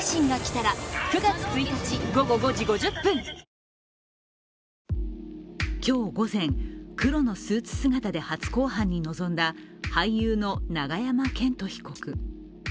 サントリー「金麦」今日午前、黒のスーツ姿で初公判に臨んだ俳優の永山絢斗被告。